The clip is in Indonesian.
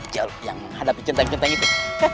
jalur yang menghadapi centang centang itu